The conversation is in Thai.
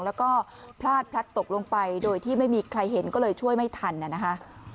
แล้วก็พลาดพลัดตกลงไปโดยที่ไม่มีใครเห็นก็เลยช่วยไม่ทันนะคะ